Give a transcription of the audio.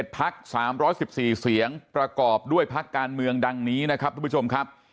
พัก๓๑๔เสียงประกอบด้วยพักการเมืองดังนี้นะครับทุกผู้ชมครับ